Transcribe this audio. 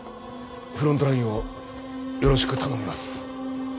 フロントラインをよろしく頼みます。